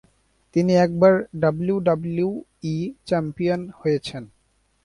তিনি একবার WWE champion হয়েছেন।